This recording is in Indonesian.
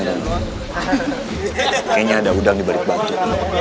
kayaknya ada udang di balik batu